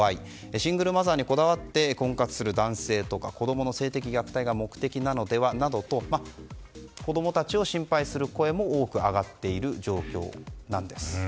シングルマザーにこだわって婚活する男性とか子供の性的虐待が目的なのではなどと子供たちを心配する声も多く挙がっている状況なんです。